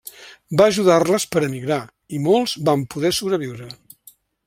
Va ajudar-les per emigrar, i molts van poder sobreviure.